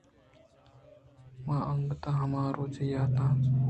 من ءَ انگت ھما روچ یات اِنت